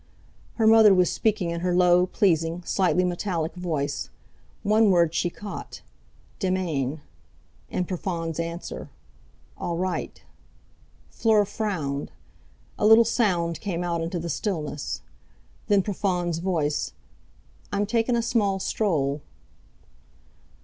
Her mother was speaking in her low, pleasing, slightly metallic voice—one word she caught: "Demain." And Profond's answer: "All right." Fleur frowned. A little sound came out into the stillness. Then Profond's voice: "I'm takin' a small stroll."